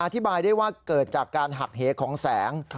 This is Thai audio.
อธิบายได้ว่าเกิดจากการหักเหของแสง